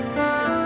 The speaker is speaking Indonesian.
aku mau mencobanya